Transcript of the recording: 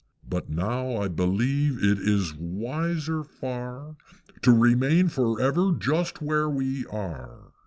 But now I believe it is wiser far To remain for ever just where we are."